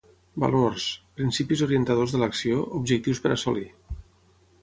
Valors: principis orientadors de l'acció, objectius per assolir.